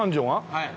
はい。